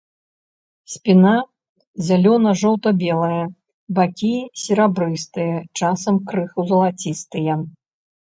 Спіна зялёна-жоўта-белая, бакі серабрыстыя, часам крыху залацістыя.